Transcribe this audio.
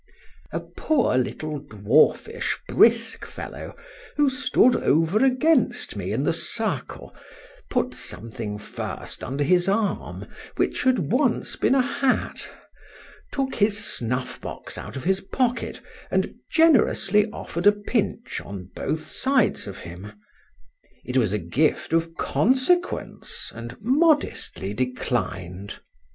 A poor little dwarfish brisk fellow, who stood over against me in the circle, putting something first under his arm, which had once been a hat, took his snuff box out of his pocket, and generously offer'd a pinch on both sides of him: it was a gift of consequence, and modestly declined.